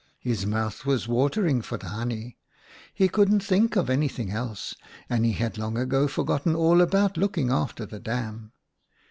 "His mouth was watering for the honey ; he couldn't think of anything else, and he had long ago forgotten all about looking after the dam.